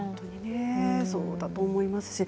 そうだと思います。